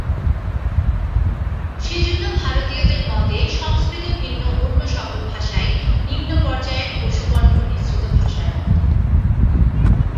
সেজন্য ভারতীয়দের মতে সংস্কৃত ভিন্ন অন্য সকল ভাষাই নিম্নপর্যায়ের পশুকণ্ঠ-নিঃসৃত ভাষার মত।